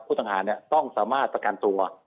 ผู้ต่างหาเนี่ยต้องสามารถประกันตัว